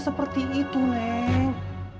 seperti itu neng